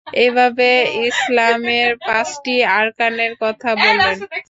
এভাবে ইসলামের পাঁচটি আরকানের কথা বললেন।